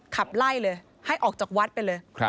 ขับไล่เลยให้ออกจากวัดไปเลย